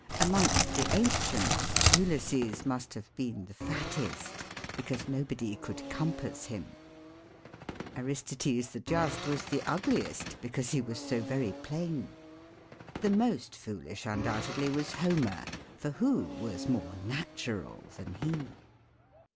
Amongst the ancients, Ulysses must have been the fattest, because nobody could compass him. Aristides the Just was the ugliest, because he was so very plain. The most foolish, undoubtedly, was Homer ; for who was more natural than he